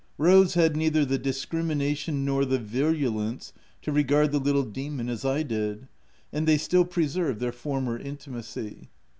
Rose had neither the dis crimination nor the virulence to regard the little demon as I did, and they still preserved their former intimacy.